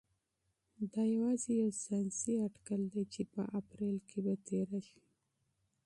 دا یوازې یو ساینسي اټکل دی چې په اپریل کې به تیره شي.